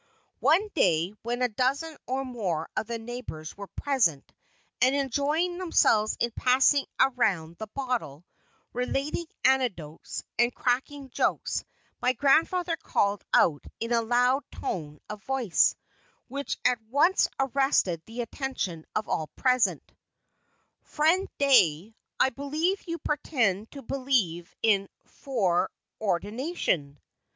One day, when a dozen or more of the neighbors were present, and enjoying themselves in passing around the bottle, relating anecdotes, and cracking jokes, my grandfather called out in a loud tone of voice, which at once arrested the attention of all present: "Friend Dey, I believe you pretend to believe in foreordination?"